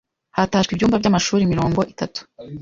Hatashywe ibyumba by’amashuri mirongo itatu